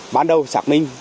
ban đầu xác minh